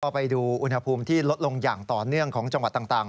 ไปดูอุณหภูมิที่ลดลงอย่างต่อเนื่องของจังหวัดต่าง